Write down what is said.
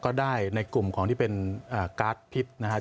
ได้ในกลุ่มของที่เป็นการ์ดพิษนะครับ